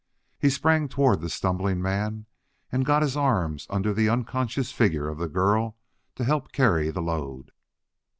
He sprang toward the stumbling man and got his arms under the unconscious figure of the girl to help carry the load.